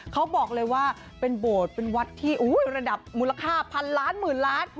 เขาบอกเลยว่าเป็นโบสถ์เป็นวัดที่ระดับมูลค่าพันล้านหมื่นล้าน